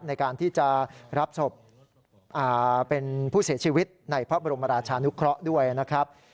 ในการที่จะรับศพเป็นผู้เสียชีวิตในพระบรมราชานุเคราะห์ด้วยนะครับ